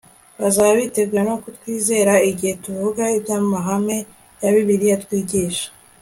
bazaba biteguye no kutwizera igihe tuvuga iby'amahame ya bibiliya twigisha